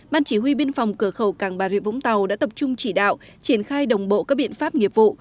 ban chỉ huy biên phòng cửa khẩu càng bà rịa vũng tàu đã tập trung chỉ đạo triển khai đồng bộ các biện pháp nghiệp vụ